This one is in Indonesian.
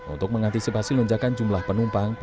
untuk mengantisipasi lonjakan jumlah penumpang